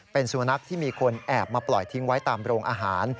เป็นสุนัขที่มีคนแอบมาปล่อยทิ้งไว้ตามโรงอาหาร